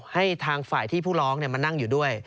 ให้ทางฝ่ายที่ผู้ร้องมานั่งอยู่ด้วย